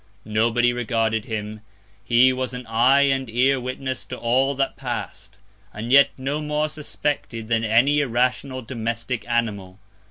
Nobody regarded him: He was an Eye and Ear witness of all that pass'd, and yet no more suspected than any irrational Domestic Animal.